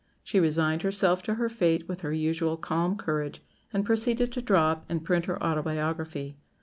She resigned herself to her fate with her usual calm courage, and proceeded to draw up and print her autobiography.